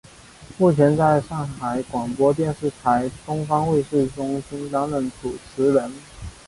目前在上海广播电视台东方卫视中心担任主持人。